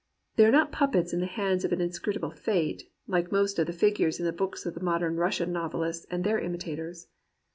They are not puppets in the hands of an inscrutable Fate, like most of the figures in the books of the modern Rus sian novelists and their imitators.